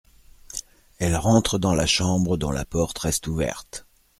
Elle rentre dans la chambre, dont la porte reste ouverte.